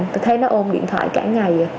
tôi thấy nó ôm điện thoại cả ngày